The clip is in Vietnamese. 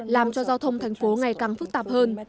làm cho giao thông thành phố ngày càng phức tạp hơn